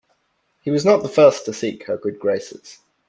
He was not the first to seek her good graces.